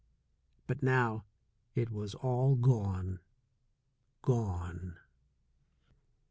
But now it was all gone, gone !